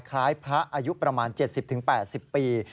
คล้ายพระอายุประมาณ๗๐๘๐ปี